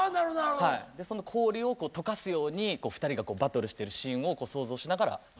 その氷をとかすように２人がバトルしてるシーンを想像しながら。